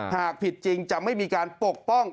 หากผิดจริงจะไม่มีการปกป้อง